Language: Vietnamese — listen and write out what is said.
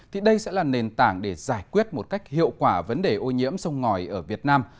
thì đây sẽ là nền tảng để giải quyết một cách hiệu quả vấn đề ô nhiễm sông ngòi ở việt nam